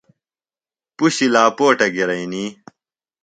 پُشیۡ لاپوٹہ گِرئنی۔